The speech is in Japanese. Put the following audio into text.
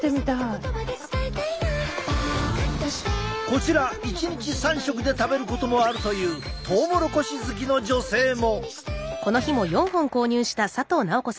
こちら１日３食で食べることもあるというトウモロコシ好きの女性も。